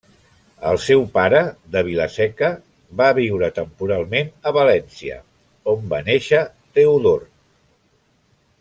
El seu pare, de Vila-seca, va viure temporalment a València, on va néixer Teodor.